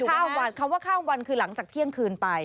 ข้ามวันคำว่าข้ามวันคือหลังจากเที่ยงคืนไป